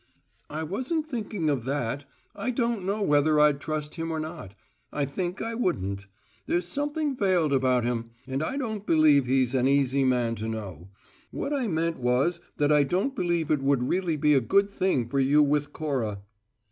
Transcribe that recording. "I wasn't thinking of that: I don't know whether I'd trust him or not I think I wouldn't; there's something veiled about him, and I don't believe he is an easy man to know. What I meant was that I don't believe it would really be a good thing for you with Cora."